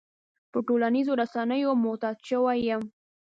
په ټولنيزو رسنيو معتاد شوی يم.